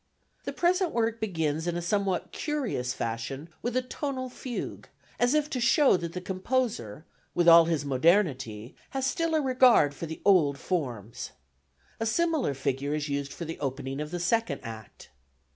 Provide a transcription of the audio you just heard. The present work begins in somewhat curious fashion with a tonal fugue, as if to show that the composer with all his modernity has still a regard for the old forms. A similar figure is used for the opening of the second act.